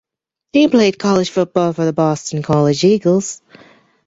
He played college football for the Boston College Eagles.